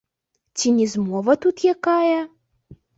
Ці не змова тут якая?